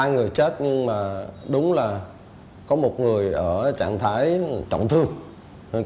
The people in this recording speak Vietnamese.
ba người chết nhưng mà đúng là có một người ở trạng thái trọng thương